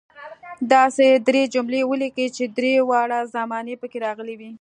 داسې درې جملې ولیکئ چې درې واړه زمانې پکې راغلي وي.